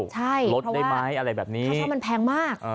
ใช่เพราะว่าค่าเช่ามันแพงมาก